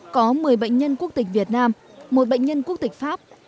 có một mươi bệnh nhân quốc tịch việt nam một bệnh nhân quốc tịch pháp